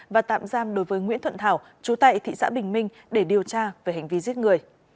và tạm giam đối với nguyễn thuận thảo chú tại thị xã bình minh để điều tra về hành vi giết người